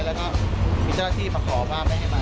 แล้วก็มีเจ้าหน้าที่มาขอว่าไม่ให้มา